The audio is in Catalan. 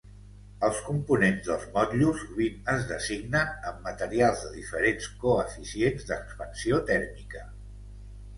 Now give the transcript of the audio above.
Els components dels motllos sovint es designen amb materials de diferents coeficients d'expansió tèrmica.